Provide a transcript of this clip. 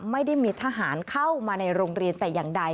ไม่ได้มีทหารเข้ามาในโรงเรียนแต่อย่างใด